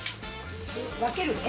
分けるね。